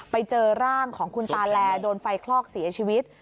ไปเจอร่างของคุณตาแลโดนไฟคลอกเสียชีวิต